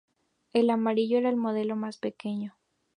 El "Amarillo" era el modelo más pequeño.